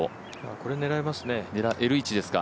これ狙えますね。